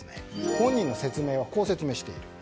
本人の説明でこう説明しています。